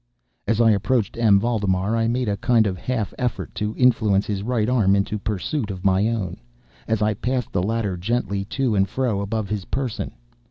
As I approached M. Valdemar I made a kind of half effort to influence his right arm into pursuit of my own, as I passed the latter gently to and fro above his person.